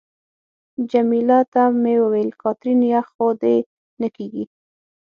جميله ته مې وویل: کاترین، یخ خو دې نه کېږي؟